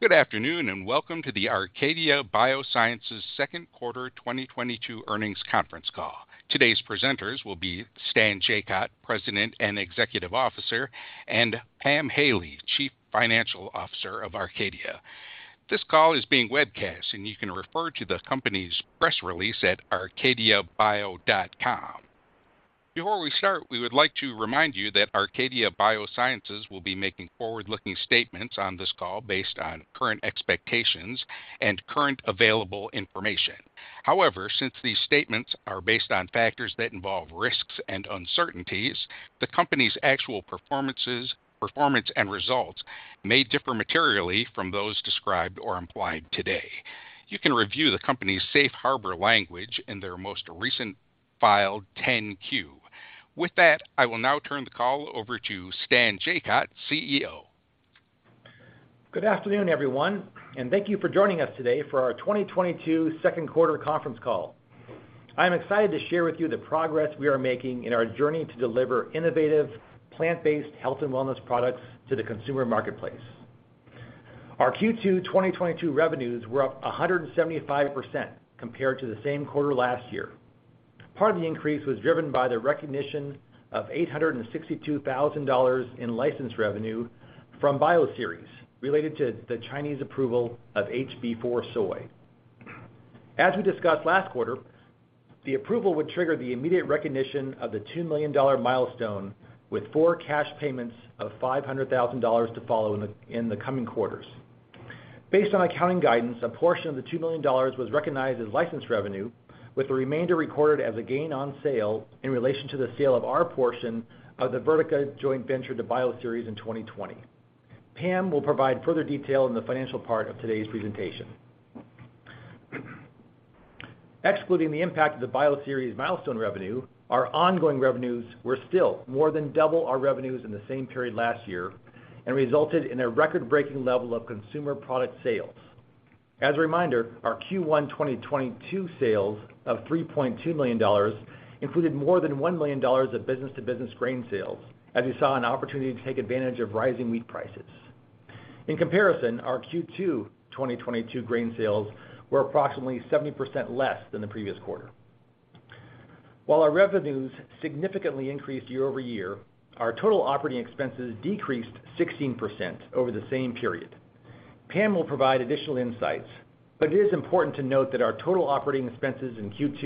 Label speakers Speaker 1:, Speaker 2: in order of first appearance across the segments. Speaker 1: Good afternoon, and welcome to the Arcadia Biosciences second quarter 2022 earnings conference call. Today's presenters will be Stan Jacot, President and Chief Executive Officer, and Pam Haley, Chief Financial Officer of Arcadia. This call is being webcast, and you can refer to the company's press release at arcadiabio.com. Before we start, we would like to remind you that Arcadia Biosciences will be making forward-looking statements on this call based on current expectations and current available information. However, since these statements are based on factors that involve risks and uncertainties, the company's actual performance and results may differ materially from those described or implied today. You can review the company's safe harbor language in their most recent filed 10-Q. With that, I will now turn the call over to Stan Jacot, CEO.
Speaker 2: Good afternoon, everyone, and thank you for joining us today for our 2022 Q2 conference call. I am excited to share with you the progress we are making in our journey to deliver innovative plant-based health and wellness products to the consumer marketplace. Our Q2 2022 revenues were up 175% compared to the same quarter last year. Part of the increase was driven by the recognition of $862,000 in license revenue from Bioceres related to the Chinese approval of HB4 Soy. As we discussed last quarter, the approval would trigger the immediate recognition of the $2 million milestone with four cash payments of $500,000 to follow in the coming quarters. Based on accounting guidance, a portion of the $2 million was recognized as licensed revenue, with the remainder recorded as a gain on sale in relation to the sale of our portion of the Verdeca joint venture to Bioceres in 2020. Pam will provide further detail in the financial part of today's presentation. Excluding the impact of the Bioceres milestone revenue, our ongoing revenues were still more than double our revenues in the same period last year and resulted in a record-breaking level of consumer product sales. As a reminder, our Q1 2022 sales of $3.2 million included more than $1 million of business-to-business grain sales as we saw an opportunity to take advantage of rising wheat prices. In comparison, our Q2 2022 grain sales were approximately 70% less than the previous quarter. While our revenues significantly increased year-over-year, our total operating expenses decreased 16% over the same period. Pam will provide additional insights, but it is important to note that our total operating expenses in Q2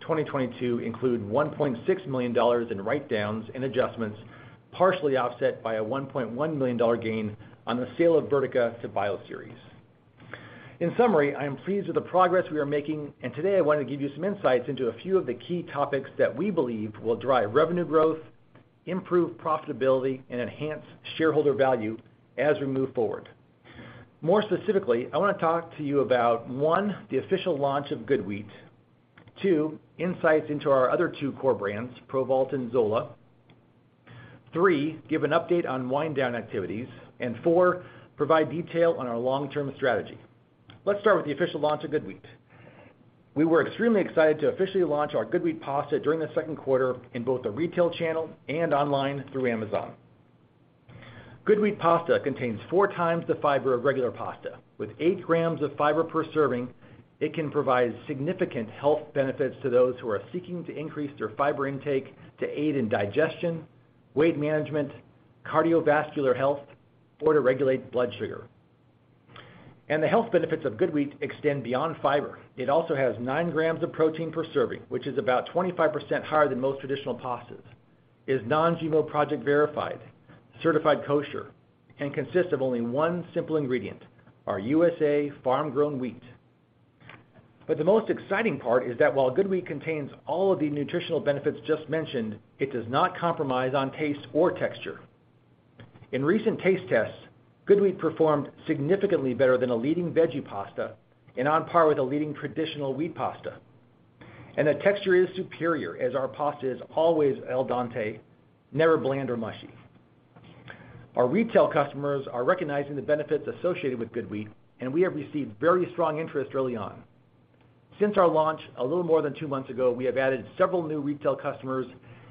Speaker 2: 2022 include $1.6 million in write-downs and adjustments, partially offset by a $1.1 million gain on the sale of Verdeca to Bioceres. In summary, I am pleased with the progress we are making, and today I want to give you some insights into a few of the key topics that we believe will drive revenue growth, improve profitability, and enhance shareholder value as we move forward. More specifically, I want to talk to you about, one, the official launch of GoodWheat. Two, insights into our other two core brands, Provault and Zola. Three, give an update on wind down activities. Four, provide detail on our long-term strategy. Let's start with the official launch of GoodWheat. We were extremely excited to officially launch our GoodWheat Pasta during the second quarter in both the retail channel and online through Amazon. GoodWheat Pasta contains four times the fiber of regular pasta. With eight grams of fiber per serving, it can provide significant health benefits to those who are seeking to increase their fiber intake to aid in digestion, weight management, cardiovascular health, or to regulate blood sugar. The health benefits of GoodWheat extend beyond fiber. It also has nine grams of protein per serving, which is about 25% higher than most traditional pastas, is Non-GMO Project Verified, certified kosher, and consists of only one simple ingredient, our USA farm-grown wheat. The most exciting part is that while GoodWheat contains all of the nutritional benefits just mentioned, it does not compromise on taste or texture. In recent taste tests, GoodWheat performed significantly better than a leading veggie pasta and on par with a leading traditional wheat pasta. The texture is superior as our pasta is always al dente, never bland or mushy. Our retail customers are recognizing the benefits associated with GoodWheat, and we have received very strong interest early on. Since our launch a little more than two months ago, we have added several new retail customers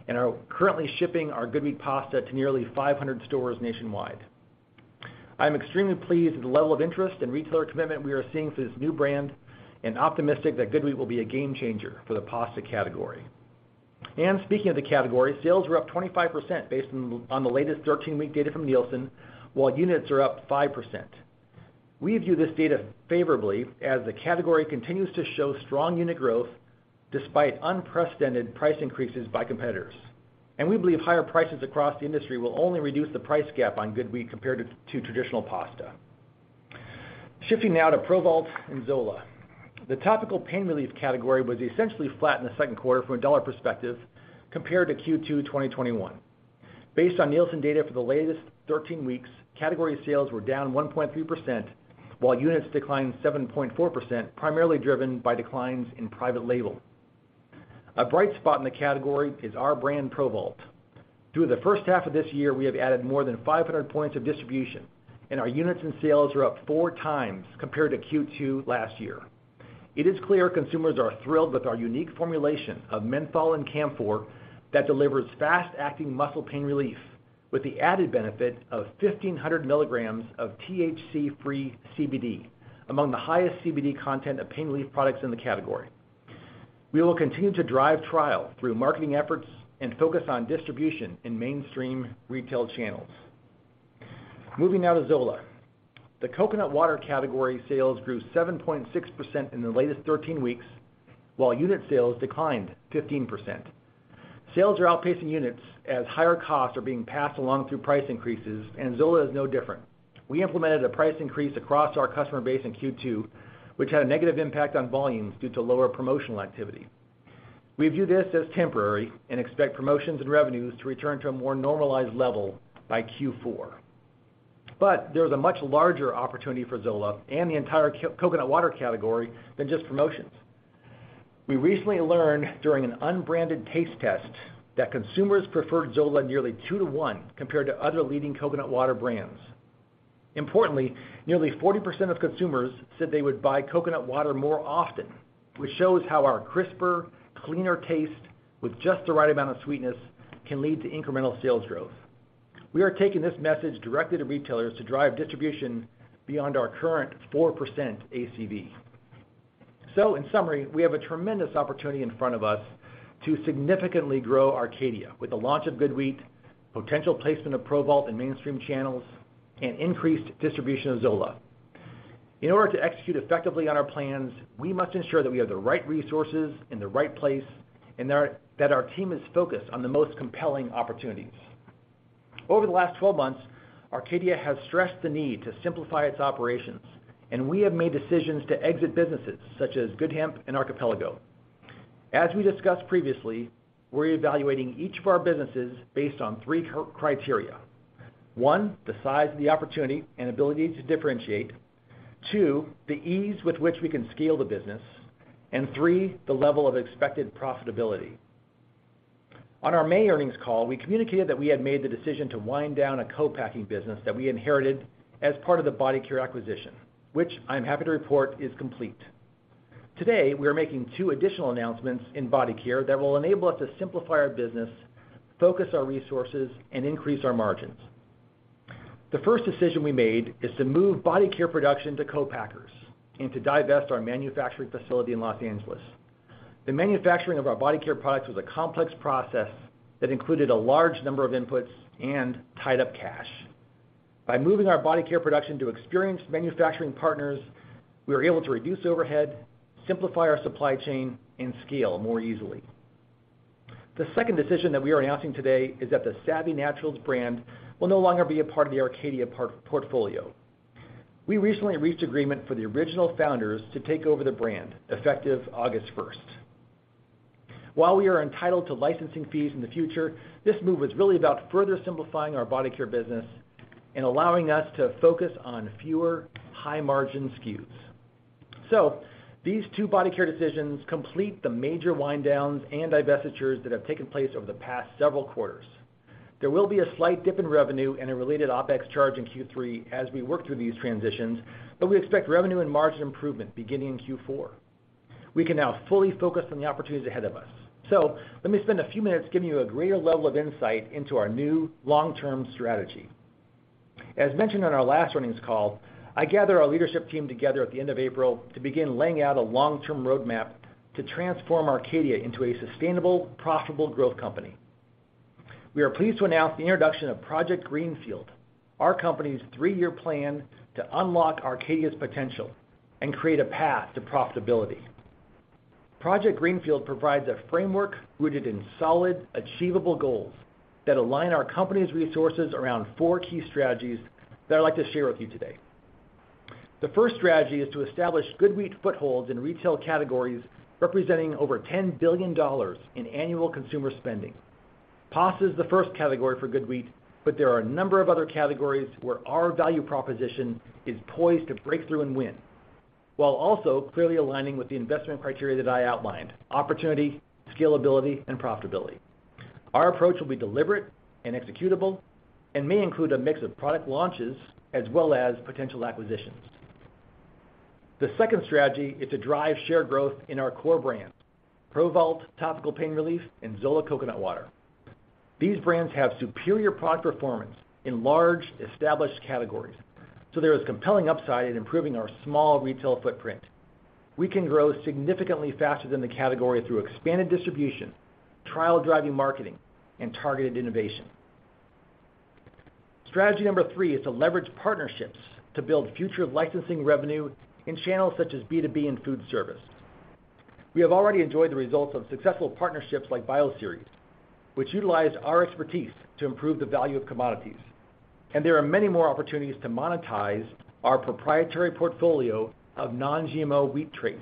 Speaker 2: and are currently shipping our GoodWheat Pasta to nearly 500 stores nationwide. I'm extremely pleased with the level of interest and retailer commitment we are seeing for this new brand and optimistic that GoodWheat will be a game changer for the pasta category. Speaking of the category, sales were up 25% based on the latest 13-week data from Nielsen, while units are up 5%. We view this data favorably as the category continues to show strong unit growth despite unprecedented price increases by competitors. We believe higher prices across the industry will only reduce the price gap on GoodWheat compared to traditional pasta. Shifting now to Provault and Zola. The topical pain relief category was essentially flat in the second quarter from a dollar perspective compared to Q2 2021. Based on Nielsen data for the latest 13 weeks, category sales were down 1.3%, while units declined 7.4%, primarily driven by declines in private label. A bright spot in the category is our brand, Provault. Through the first half of this year, we have added more than 500 points of distribution, and our units and sales are up four times compared to Q2 last year. It is clear consumers are thrilled with our unique formulation of menthol and camphor that delivers fast-acting muscle pain relief, with the added benefit of 1,500 milligrams of THC-free CBD, among the highest CBD content of pain relief products in the category. We will continue to drive trial through marketing efforts and focus on distribution in mainstream retail channels. Moving now to Zola. The coconut water category sales grew 7.6% in the latest 13 weeks, while unit sales declined 15%. Sales are outpacing units as higher costs are being passed along through price increases, and Zola is no different. We implemented a price increase across our customer base in Q2, which had a negative impact on volumes due to lower promotional activity. We view this as temporary and expect promotions and revenues to return to a more normalized level by Q4. There is a much larger opportunity for Zola and the entire coconut water category than just promotions. We recently learned during an unbranded taste test that consumers preferred Zola nearly two-to-one compared to other leading coconut water brands. Importantly, nearly 40% of consumers said they would buy coconut water more often, which shows how our crisper, cleaner taste with just the right amount of sweetness can lead to incremental sales growth. We are taking this message directly to retailers to drive distribution beyond our current 4% ACV. In summary, we have a tremendous opportunity in front of us to significantly grow Arcadia with the launch of GoodWheat, potential placement of Provault in mainstream channels, and increased distribution of Zola. In order to execute effectively on our plans, we must ensure that we have the right resources in the right place and that our team is focused on the most compelling opportunities. Over the last 12 months, Arcadia has stressed the need to simplify its operations, and we have made decisions to exit businesses such as GoodHemp and Archipelago. As we discussed previously, we're evaluating each of our businesses based on three criteria. One, the size of the opportunity and ability to differentiate. Two, the ease with which we can scale the business. And three, the level of expected profitability. On our May earnings call, we communicated that we had made the decision to wind down a co-packing business that we inherited as part of the Body Care acquisition, which I'm happy to report is complete. Today, we are making two additional announcements in Body Care that will enable us to simplify our business, focus our resources, and increase our margins. The first decision we made is to move Body Care production to co-packers and to divest our manufacturing facility in Los Angeles. The manufacturing of our Body Care products was a complex process that included a large number of inputs and tied up cash. By moving our Body Care production to experienced manufacturing partners, we are able to reduce overhead, simplify our supply chain, and scale more easily. The second decision that we are announcing today is that the Saavy Naturals brand will no longer be a part of the Arcadia portfolio. We recently reached agreement for the original founders to take over the brand, effective August first. While we are entitled to licensing fees in the future, this move was really about further simplifying our Body Care business and allowing us to focus on fewer high-margin SKUs. These two Body Care decisions complete the major wind downs and divestitures that have taken place over the past several quarters. There will be a slight dip in revenue and a related OpEx charge in Q3 as we work through these transitions, but we expect revenue and margin improvement beginning in Q4. We can now fully focus on the opportunities ahead of us. Let me spend a few minutes giving you a greater level of insight into our new long-term strategy. As mentioned on our last earnings call, I gathered our leadership team together at the end of April to begin laying out a long-term roadmap to transform Arcadia into a sustainable, profitable growth company. We are pleased to announce the introduction of Project Greenfield, our company's three-year plan to unlock Arcadia's potential and create a path to profitability. Project Greenfield provides a framework rooted in solid, achievable goals that align our company's resources around four key strategies that I'd like to share with you today. The first strategy is to establish GoodWheat footholds in retail categories representing over $10 billion in annual consumer spending. Pasta is the first category for GoodWheat, but there are a number of other categories where our value proposition is poised to break through and win, while also clearly aligning with the investment criteria that I outlined, opportunity, scalability, and profitability. Our approach will be deliberate and executable and may include a mix of product launches as well as potential acquisitions. The second strategy is to drive shared growth in our core brands, Provault Topical Pain Relief and Zola Coconut Water. These brands have superior product performance in large established categories, so there is compelling upside in improving our small retail footprint. We can grow significantly faster than the category through expanded distribution, trial-driving marketing, and targeted innovation. Strategy number three is to leverage partnerships to build future licensing revenue in channels such as B2B and food service. We have already enjoyed the results of successful partnerships like Bioceres, which utilize our expertise to improve the value of commodities, and there are many more opportunities to monetize our proprietary portfolio of non-GMO wheat traits.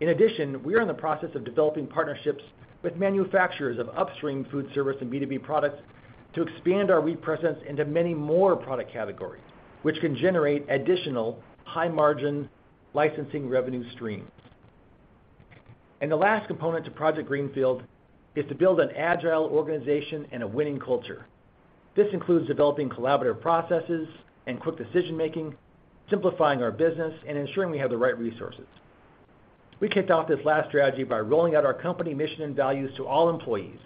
Speaker 2: In addition, we are in the process of developing partnerships with manufacturers of upstream food service and B2B products to expand our wheat presence into many more product categories, which can generate additional high-margin licensing revenue streams. The last component to Project Greenfield is to build an agile organization and a winning culture. This includes developing collaborative processes and quick decision-making, simplifying our business, and ensuring we have the right resources. We kicked off this last strategy by rolling out our company mission and values to all employees,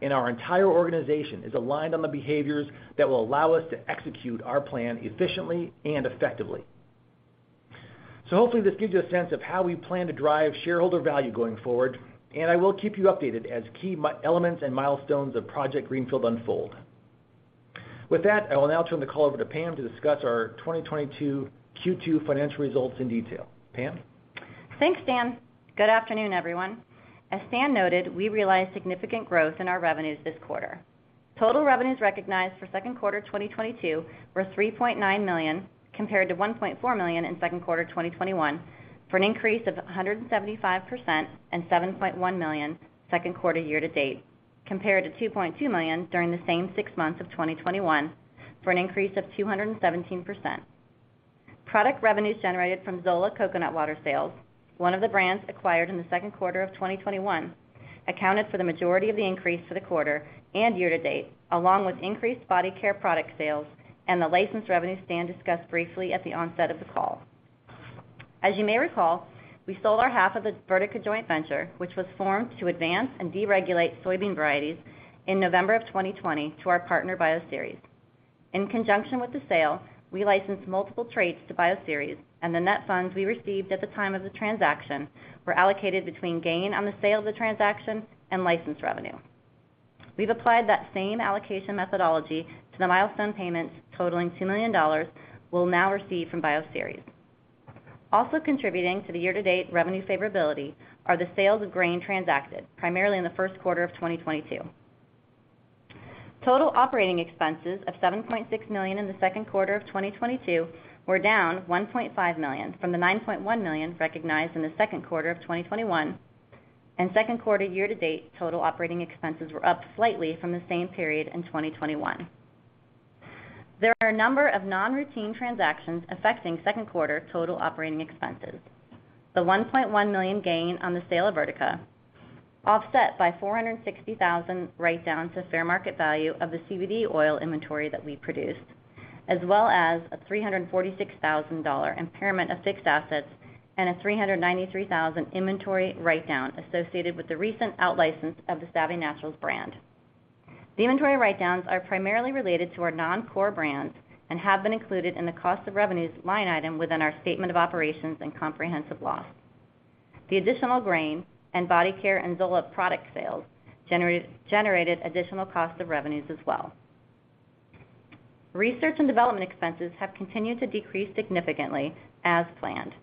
Speaker 2: and our entire organization is aligned on the behaviors that will allow us to execute our plan efficiently and effectively. Hopefully this gives you a sense of how we plan to drive shareholder value going forward, and I will keep you updated as key elements and milestones of Project Greenfield unfold. With that, I will now turn the call over to Pam to discuss our 2022 Q2 financial results in detail. Pam?
Speaker 3: Thanks, Stan. Good afternoon, everyone. As Stan noted, we realized significant growth in our revenues this quarter. Total revenues recognized for second quarter 2022 were $3.9 million, compared to $1.4 million in second quarter 2021, for an increase of 175% and $7.1 million second quarter year to date, compared to $2.2 million during the same six months of 2021, for an increase of 217%. Product revenues generated from Zola Coconut Water sales, one of the brands acquired in the second quarter of 2021, accounted for the majority of the increase for the quarter and year to date, along with increased Body Care product sales and the license revenues Stan discussed briefly at the onset of the call. As you may recall, we sold our half of the Verdeca joint venture, which was formed to advance and deregulate soybean varieties in November 2020 to our partner, Bioceres. In conjunction with the sale, we licensed multiple traits to Bioceres, and the net funds we received at the time of the transaction were allocated between gain on the sale of the transaction and license revenue. We've applied that same allocation methodology to the milestone payments totaling $2 million we'll now receive from Bioceres. Also contributing to the year-to-date revenue favorability are the sales of grain transacted primarily in the first quarter of 2022. Total operating expenses of $7.6 million in the second quarter of 2022 were down $1.5 million from the $9.1 million recognized in the second quarter of 2021, and second quarter year to date total operating expenses were up slightly from the same period in 2021. There are a number of non-routine transactions affecting second quarter total operating expenses. The $1.1 million gain on the sale of Verdeca, offset by $460,000 write-down to fair market value of the CBD oil inventory that we produced, as well as a $346,000 impairment of fixed assets and a $393,000 inventory write-down associated with the recent out-license of the Saavy Naturals brand. The inventory write-downs are primarily related to our non-core brands and have been included in the cost of revenues line item within our statement of operations and comprehensive loss. The additional grain and Body Care and Zola product sales generated additional cost of revenues as well. Research and development expenses have continued to decrease significantly as planned.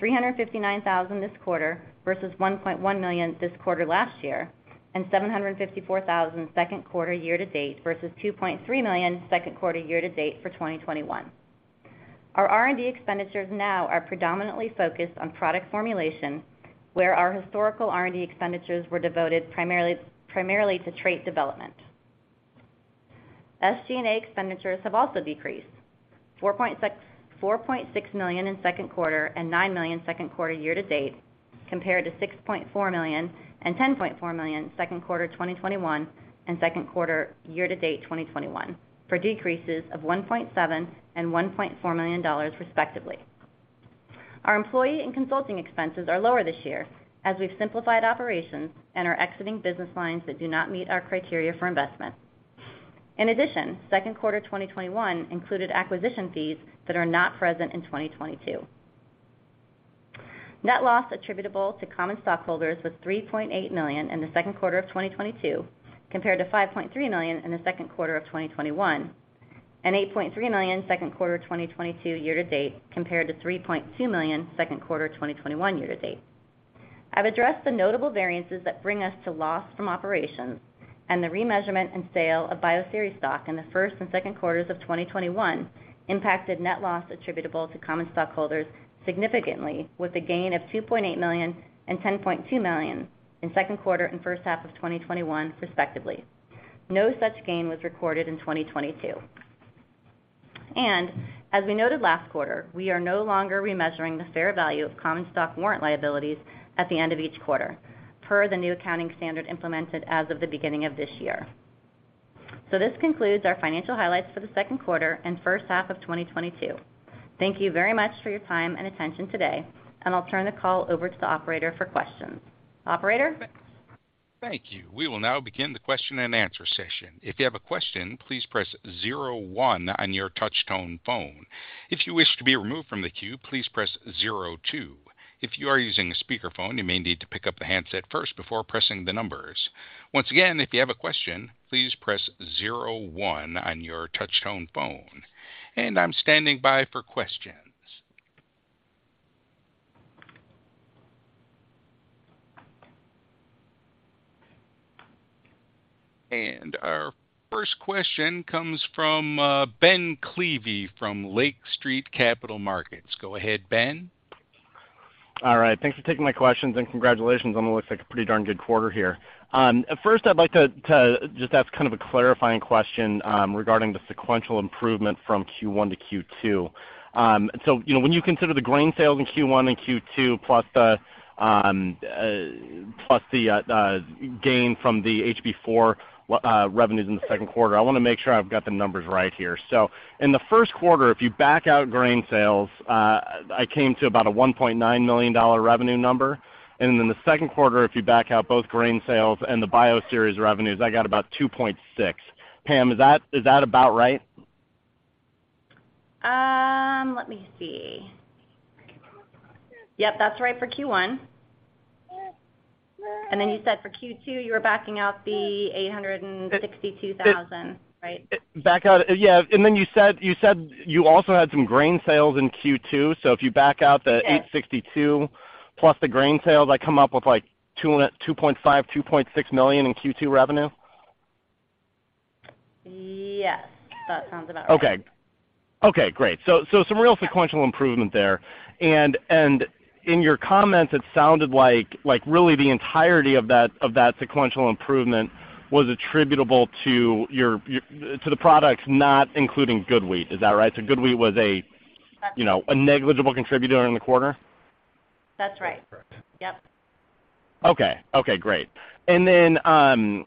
Speaker 3: $359,000 this quarter versus $1.1 million this quarter last year, and $754,000 second quarter year to date versus $2.3 million second quarter year to date for 2021. Our R&D expenditures now are predominantly focused on product formulation, where our historical R&D expenditures were devoted primarily to trait development. SG&A expenditures have also decreased $4.6 million in second quarter and $9 million second quarter year to date, compared to $6.4 million and $10.4 million second quarter 2021 and second quarter year to date 2021, for decreases of $1.7 million and $1.4 million respectively. Our employee and consulting expenses are lower this year, as we've simplified operations and are exiting business lines that do not meet our criteria for investment. In addition, second quarter 2021 included acquisition fees that are not present in 2022. Net loss attributable to common stockholders was $3.8 million in the second quarter of 2022, compared to $5.3 million in the second quarter of 2021, and $8.3 million second quarter 2022 year to date, compared to $3.2 million second quarter 2021 year to date. I've addressed the notable variances that bring us to loss from operations, and the remeasurement and sale of Bioceres stock in the first and second quarters of 2021 impacted net loss attributable to common stockholders significantly, with a gain of $2.8 million and $10.2 million in second quarter and first half of 2021 respectively. No such gain was recorded in 2022. As we noted last quarter, we are no longer remeasuring the fair value of common stock warrant liabilities at the end of each quarter, per the new accounting standard implemented as of the beginning of this year. This concludes our financial highlights for the second quarter and first half of 2022. Thank you very much for your time and attention today, and I'll turn the call over to the operator for questions. Operator?
Speaker 1: Thank you. We will now begin the question and answer session. If you have a question, please press zero one on your touch tone phone. If you wish to be removed from the queue, please press zero two. If you are using a speakerphone, you may need to pick up the handset first before pressing the numbers. Once again, if you have a question, please press zero one on your touch tone phone. I'm standing by for questions. Our first question comes from Ben Klieve from Lake Street Capital Markets. Go ahead, Ben.
Speaker 4: All right. Thanks for taking my questions, and congratulations on what looks like a pretty darn good quarter here. First I'd like to just ask kind of a clarifying question regarding the sequential improvement from Q1 to Q2. So, you know, when you consider the grain sales in Q1 and Q2, plus the gain from the HB4 revenues in the second quarter. I wanna make sure I've got the numbers right here. In the first quarter, if you back out grain sales, I came to about a $1.9 million revenue number. In the second quarter, if you back out both grain sales and the Bioceres revenues, I got about $2.6 million. Pam, is that about right?
Speaker 3: Let me see. Yep, that's right for Q1. You said for Q2, you were backing out the $862 000, right?
Speaker 4: Yeah. You said you also had some grain sales in Q2. If you back out the.
Speaker 3: Yes
Speaker 4: $862 000 plus the grain sales, I come up with, like, $2.5-$2.6 million in Q2 revenue.
Speaker 3: Yes. That sounds about right.
Speaker 4: Okay, great. Some real sequential improvement there. In your comments, it sounded like really the entirety of that sequential improvement was attributable to the products not including GoodWheat. Is that right? GoodWheat was a-
Speaker 3: That's right.
Speaker 4: you know, a negligible contributor in the quarter.
Speaker 3: That's right.
Speaker 2: That's correct.
Speaker 3: Yep.
Speaker 4: Okay, great. Regarding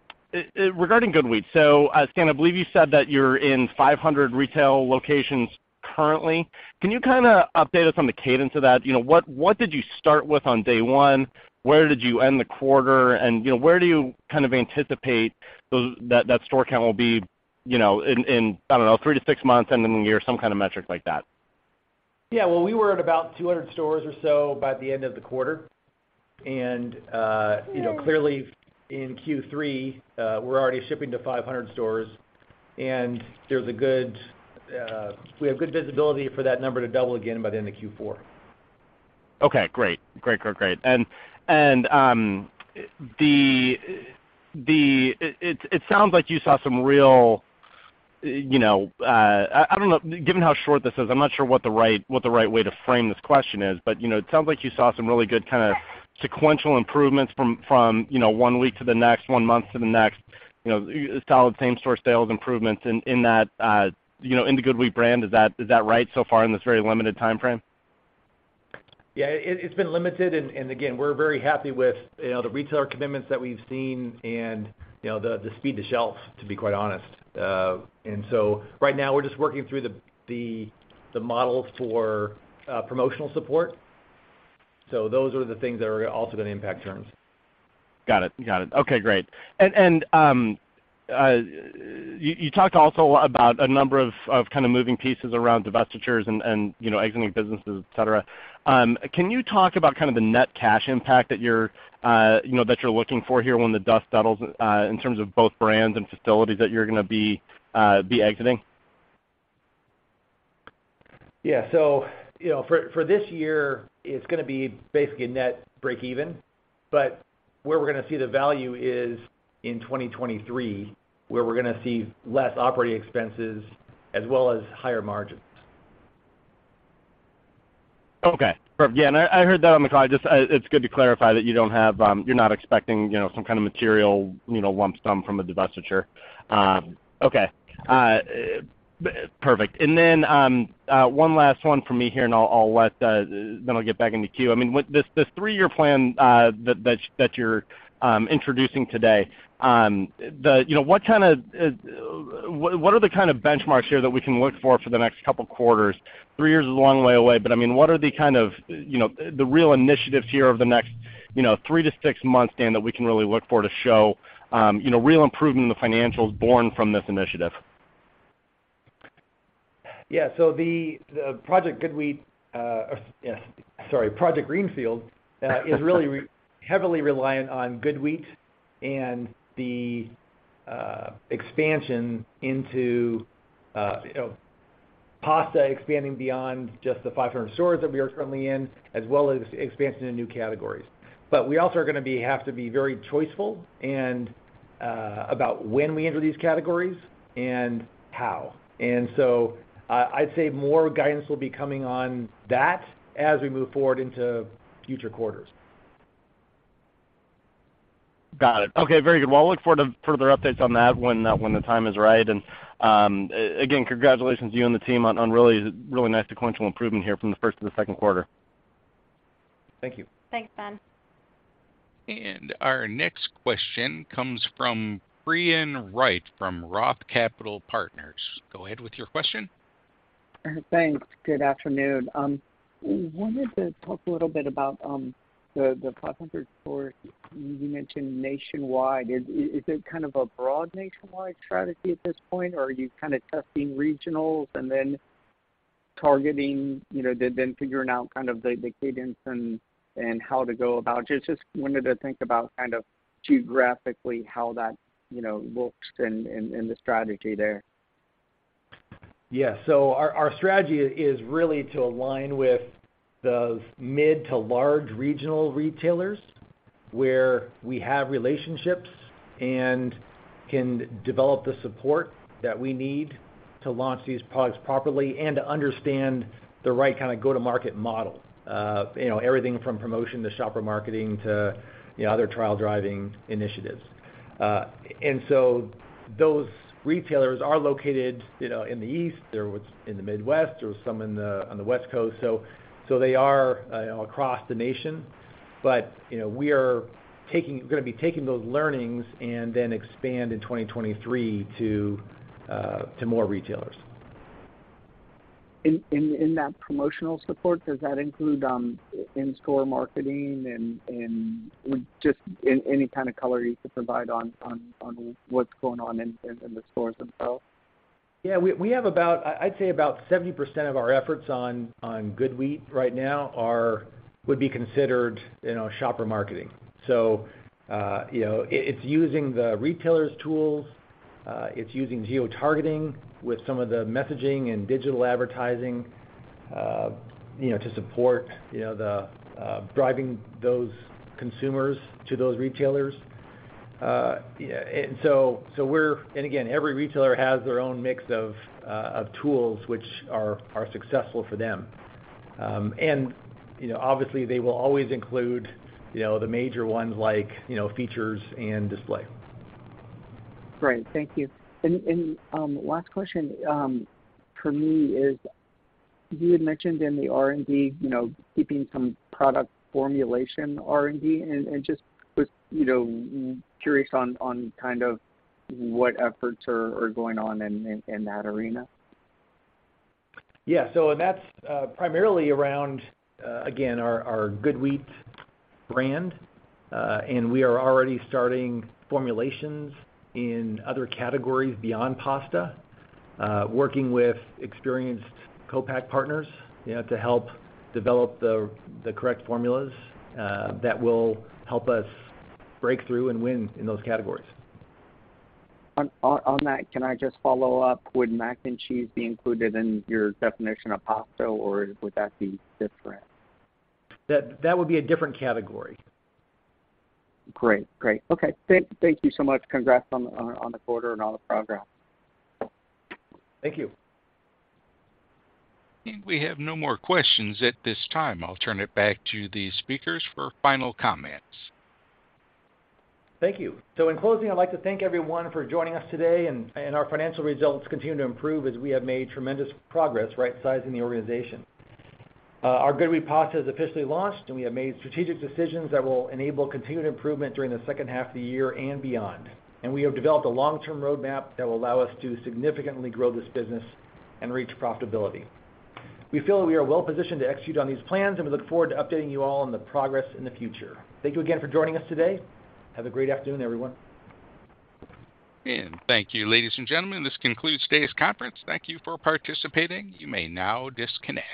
Speaker 4: GoodWheat, so, Stan, I believe you said that you're in 500 retail locations currently. Can you kinda update us on the cadence of that? You know, what did you start with on day one? Where did you end the quarter? You know, where do you kind of anticipate that store count will be, you know, in, I don't know, three to six months, end of the year, some kind of metric like that?
Speaker 2: Yeah. Well, we were at about 200 stores or so by the end of the quarter. You know, clearly in Q3, we're already shipping to 500 stores, and we have good visibility for that number to double again by the end of Q4.
Speaker 4: Okay, great. Sounds like you saw some real, you know, I don't know, given how short this is, I'm not sure what the right way to frame this question is. You know, it sounds like you saw some really good kinda sequential improvements from, you know, one week to the next, one month to the next, you know, solid same store sales improvements in that, you know, in the GoodWheat brand. Is that right so far in this very limited timeframe?
Speaker 2: Yeah. It's been limited, and again, we're very happy with, you know, the retailer commitments that we've seen and, you know, the speed to shelf, to be quite honest. Right now we're just working through the models for promotional support. Those are the things that are also gonna impact terms.
Speaker 4: Got it. Okay, great. You talked also about a number of kind of moving pieces around divestitures and you know, exiting businesses, et cetera. Can you talk about kind of the net cash impact that you're you know, that you're looking for here when the dust settles, in terms of both brands and facilities that you're gonna be exiting?
Speaker 2: Yeah. You know, for this year, it's gonna be basically a net break even. Where we're gonna see the value is in 2023, where we're gonna see less operating expenses as well as higher margins.
Speaker 4: Okay. Yeah, I heard that on the call. Just, it's good to clarify that you don't have, you're not expecting, you know, some kind of material, you know, lump sum from a divestiture. Okay. Perfect. Then, one last one from me here, then I'll get back in the queue. I mean, this three-year plan that you're introducing today, you know, what are the kind of benchmarks here that we can look for for the next couple quarters? 3 years is a long way away, but, I mean, what are the kind of, you know, the real initiatives here over the next, you know, three to six months, Stan, that we can really look for to show, you know, real improvement in the financials born from this initiative?
Speaker 2: Project Greenfield is really heavily reliant on GoodWheat and the expansion into pasta expanding beyond just the 500 stores that we are currently in, as well as expansion into new categories. We also are gonna be have to be very choiceful and about when we enter these categories and how. I'd say more guidance will be coming on that as we move forward into future quarters.
Speaker 4: Got it. Okay. Very good. Well, I'll look forward to further updates on that when the time is right. Again, congratulations to you and the team on really, really nice sequential improvement here from the first to the second quarter.
Speaker 2: Thank you.
Speaker 3: Thanks, Ben.
Speaker 1: Our next question comes from Brian Wright from ROTH Capital Partners. Go ahead with your question.
Speaker 5: Thanks. Good afternoon. Wanted to talk a little bit about the 500 stores you mentioned nationwide. Is it kind of a broad nationwide strategy at this point, or are you kinda testing regionals and then targeting, then figuring out kind of the cadence and how to go about it? Just wanted to think about kind of geographically how that looks and the strategy there.
Speaker 2: Yeah. Our strategy is really to align with the mid to large regional retailers where we have relationships and can develop the support that we need to launch these products properly and to understand the right kinda go-to-market model. You know, everything from promotion to shopper marketing to, you know, other trial driving initiatives. Those retailers are located, you know, in the East, in the Midwest, some on the West Coast. So they are, you know, across the nation. You know, we are gonna be taking those learnings and then expand in 2023 to more retailers.
Speaker 5: In that promotional support, does that include in-store marketing and just any kind of color you could provide on what's going on in the stores themselves?
Speaker 2: We have about, I'd say about 70% of our efforts on GoodWheat right now would be considered you know shopper marketing. It's using the retailer's tools, it's using geotargeting with some of the messaging and digital advertising you know to support you know the driving those consumers to those retailers. We're again every retailer has their own mix of tools which are successful for them. You know obviously they will always include you know the major ones like you know features and display.
Speaker 5: Great. Thank you. Last question for me is, you had mentioned in the R&D, you know, keeping some product formulation R&D, and just was, you know, curious on kind of what efforts are going on in that arena.
Speaker 2: That's primarily around, again, our GoodWheat brand. And we are already starting formulations in other categories beyond pasta, working with experienced co-pack partners, you know, to help develop the correct formulas that will help us break through and win in those categories.
Speaker 5: On that, can I just follow up? Would mac and cheese be included in your definition of pasta, or would that be different?
Speaker 2: That would be a different category.
Speaker 5: Great. Okay. Thank you so much. Congrats on the quarter and on the progress.
Speaker 2: Thank you.
Speaker 1: I think we have no more questions at this time. I'll turn it back to the speakers for final comments.
Speaker 2: Thank you. In closing, I'd like to thank everyone for joining us today. Our financial results continue to improve as we have made tremendous progress rightsizing the organization. Our GoodWheat Pasta has officially launched, and we have made strategic decisions that will enable continued improvement during the second half of the year and beyond. We have developed a long-term roadmap that will allow us to significantly grow this business and reach profitability. We feel that we are well positioned to execute on these plans, and we look forward to updating you all on the progress in the future. Thank you again for joining us today. Have a great afternoon, everyone.
Speaker 1: Thank you. Ladies and gentlemen, this concludes today's conference. Thank you for participating. You may now disconnect.